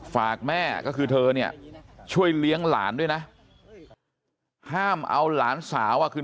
ฝากแม่ก็คือเธอเนี่ยช่วยเลี้ยงหลานด้วยนะห้ามเอาหลานสาวอ่ะคือ